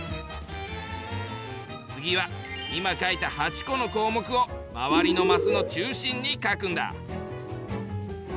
次は今書いた８個の項目を周りのマスの中心に書くんだ。